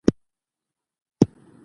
دوی به خپل مرچلونه پرېښي وي.